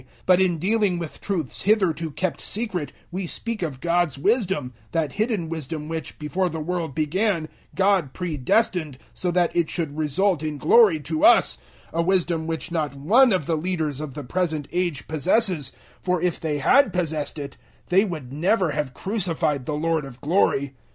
002:007 But in dealing with truths hitherto kept secret we speak of God's wisdom that hidden wisdom which, before the world began, God pre destined, so that it should result in glory to us; 002:008 a wisdom which not one of the leaders of the present age possesses, for if they had possessed it, they would never have crucified the Lord of glory.